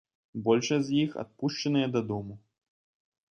Большасць з іх адпушчаныя дадому.